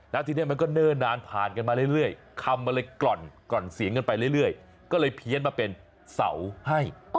แล้วทีนี้มันก็เนิ่นนานผ่านกันมาเรื่อยคำมันเลยกล่อนเสียงกันไปเรื่อยก็เลยเพี้ยนมาเป็นเสาให้